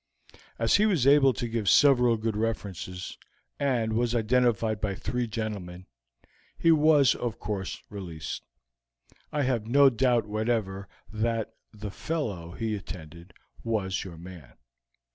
As he was able to give several good references, and was identified by three gentlemen, he was, of course, released. I have no doubt whatever that the fellow he attended was your man.